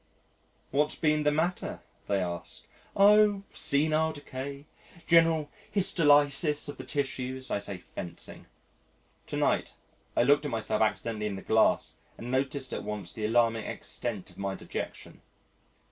"What's been the matter?" they ask. "Oh! senile decay general histolysis of the tissues," I say, fencing. To night, I looked at myself accidentally in the glass and noticed at once the alarming extent of my dejection.